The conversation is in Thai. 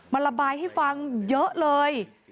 มันระบายให้ฟังเยอะเลย